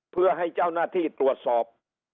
เพื่อให้เจ้าหน้าที่ตรวจสอบ